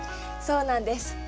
そうなんです。